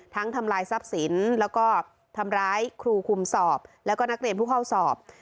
ทำลายทรัพย์สินแล้วก็ทำร้ายครูคุมสอบแล้วก็นักเรียนผู้เข้าสอบ